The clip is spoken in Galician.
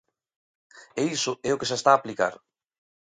E iso é o que se está a aplicar.